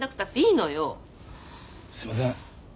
すいません。